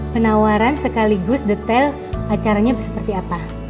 penawaran sekaligus detail acaranya seperti apa